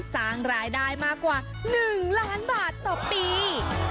สร้างรายได้มากกว่า๑ล้านบาทต่อปี